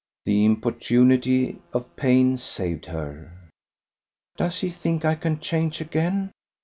The importunity of pain saved her. "Does he think I can change again?